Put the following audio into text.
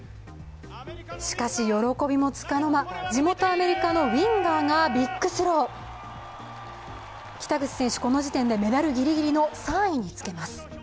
しかし喜びもつかの間、地元アメリカの選手がビッグスロー、北口選手、この時点でメダルギリギリの３位につけます。